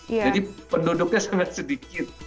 jadi penduduknya sangat sedikit